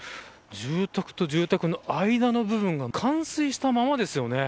住宅と住宅の間の部分が冠水したままですよね。